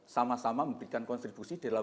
sama sama memberikan kontribusi dalam